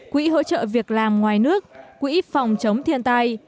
quỹ hỗ trợ việc làm ngoài nước quỹ phòng chống thiên tai